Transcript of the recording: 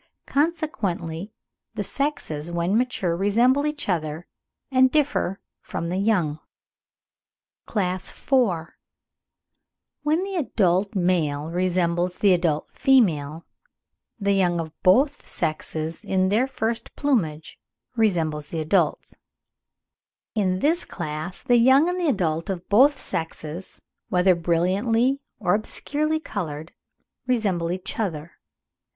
Consequently, the sexes when mature resemble each other and differ from the young. CLASS IV. — WHEN THE ADULT MALE RESEMBLES THE ADULT FEMALE, THE YOUNG OF BOTH SEXES IN THEIR FIRST PLUMAGE RESEMBLE THE ADULTS. In this class the young and the adults of both sexes, whether brilliantly or obscurely coloured, resemble each other.